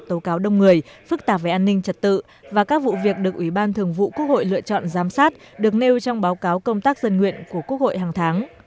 tố cáo đông người phức tạp về an ninh trật tự và các vụ việc được ủy ban thường vụ quốc hội lựa chọn giám sát được nêu trong báo cáo công tác dân nguyện của quốc hội hàng tháng